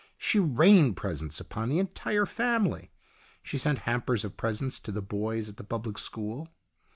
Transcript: She rained presents upon the entire family. She sent hampers of presents to the boys at the public school.